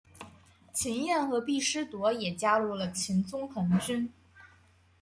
秦彦和毕师铎也加入了秦宗衡军。